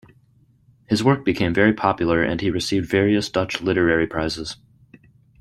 His work became very popular and he received various Dutch literary prizes.